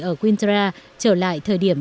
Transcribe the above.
ở quintra trở lại thời điểm